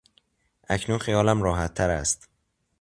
اکنون خیالم راحتتر است.